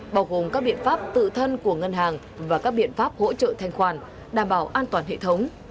bao gồm các biện pháp tự thân của ngân hàng và các biện pháp hỗ trợ thanh khoản đảm bảo an toàn hệ thống